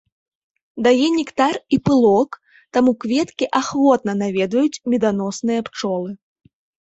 Дае нектар і пылок, таму кветкі ахвотна наведваюць меданосныя пчолы.